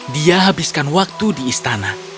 dia habiskan waktu di istana